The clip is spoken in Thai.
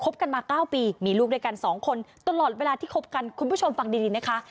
กันมา๙ปีมีลูกด้วยกันสองคนตลอดเวลาที่คบกันคุณผู้ชมฟังดีนะคะ